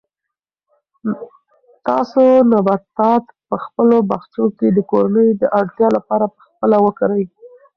تاسو نباتات په خپلو باغچو کې د کورنۍ د اړتیا لپاره په خپله وکرئ.